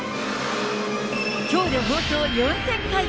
きょうで放送４０００回。